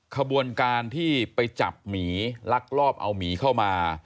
ขบวนการที่ไปจับหมีลักลอบเอาหมีเข้ามา